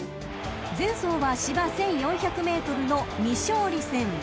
［前走は芝１，４００ｍの未勝利戦］